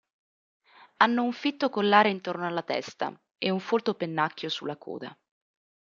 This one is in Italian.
Hanno un fitto collare intorno alla testa e un folto pennacchio sulla coda.